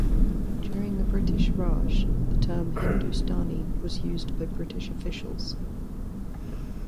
During the British Raj, the term "Hindustani" was used by British officials.